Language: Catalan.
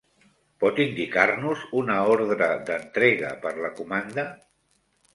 Pot indicar-nos una ordre d'entrega per la comanda?